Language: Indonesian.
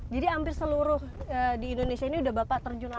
jadi hampir seluruh di indonesia ini udah bapak terjun langsung pak